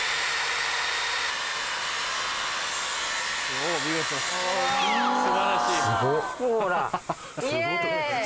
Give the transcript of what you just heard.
おぉ見事素晴らしい。